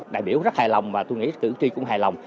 đại biểu rất hài lòng và tôi nghĩ cử tri cũng hài lòng